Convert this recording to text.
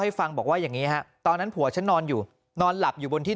ฟังบอกว่าอย่างนี้ฮะตอนนั้นผัวฉันนอนอยู่นอนหลับอยู่บนที่